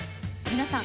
皆さん